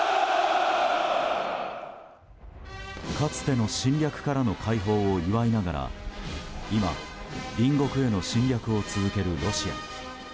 かつての侵略からの解放を祝いながら今、隣国への侵略を続けるロシア。